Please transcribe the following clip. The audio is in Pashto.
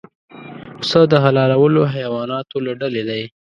پسه د حلالو حیواناتو له ډلې دی.